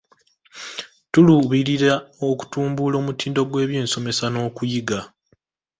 Tuluubirira okutumbula omutindo gw'ebyensomesa n'okuyiga.